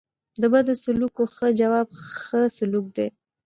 د بدو سلوکو ښه جواب؛ ښه سلوک دئ.